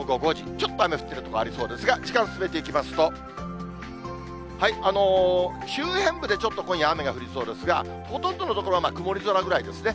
ちょっと雨降ってる所、ありそうですが、時間進めていきますと、周辺部でちょっと今夜、雨降りそうですが、ほとんどの所は曇り空ぐらいですね。